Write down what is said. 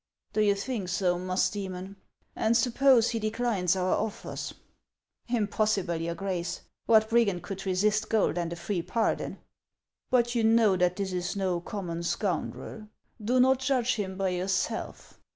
" Do you think so, Musdceraon ? And suppose he de clines our otters ?"" Impossible, your Grace ! What brigand could resist gold and a free pardon I "" But you know that this is no common scoundrel. Do not judge him by yourself.